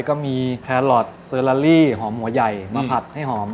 ก็มีแครอทเซอร์ลาลี่หอมหัวใหญ่มาผัดให้หอม